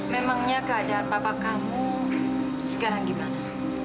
memangnya keadaan papa kamu sekarang gimana